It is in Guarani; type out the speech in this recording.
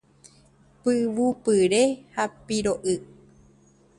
Pyvupyre ha piro'y.